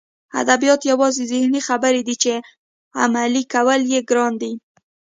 ادبیات یوازې ذهني خبرې دي چې عملي کول یې ګران دي